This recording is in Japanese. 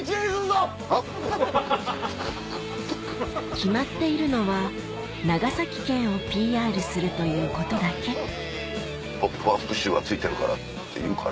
決まっているのは長崎県をＰＲするということだけ「ポップＵＰ！臭がついてるから」って言うから。